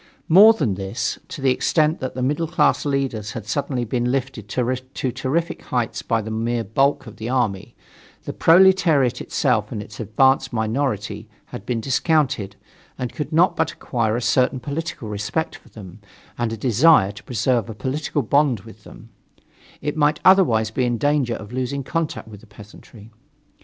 More than this: To the extent that the middle class leaders had suddenly been lifted to terrific heights by the mere bulk of the army, the proletariat itself, and its advanced minority, had been discounted, and could not but acquire a certain political respect for them and a desire to preserve a political bond with them; it might otherwise be in danger of losing contact with the peasantry.